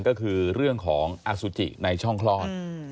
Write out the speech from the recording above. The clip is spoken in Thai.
ก็คือเรื่องของอสุจิในช่องคลอด